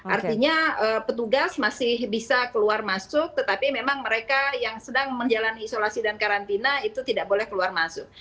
artinya petugas masih bisa keluar masuk tetapi memang mereka yang sedang menjalani isolasi dan karantina itu tidak boleh keluar masuk